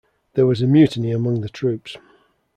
There was a mutiny among the troops.